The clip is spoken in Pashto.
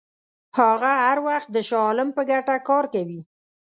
هغه هر وخت د شاه عالم په ګټه کار کوي.